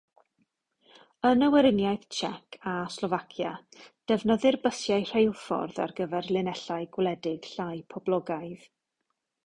Yn y Weriniaeth Tsiec a Slofacia, defnyddir bysiau rheilffordd ar linellau gwledig llai poblogaidd.